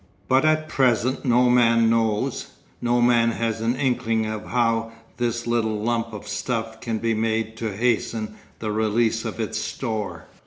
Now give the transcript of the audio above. But at present no man knows, no man has an inkling of how this little lump of stuff can be made to hasten the release of its store.